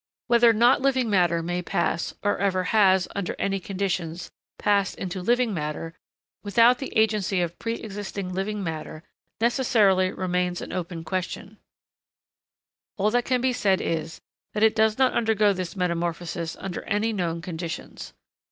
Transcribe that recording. Whether not living matter may pass, or ever has, under any conditions, passed into living matter, without the agency of pre existing living matter, necessarily remains an open question; all that can be said is that it does not undergo this metamorphosis under any known conditions.